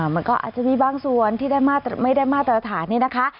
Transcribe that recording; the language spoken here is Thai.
มันก็อาจจะมีบางส่วนที่ได้ไม่ได้มาตรฐานนี่นะคะ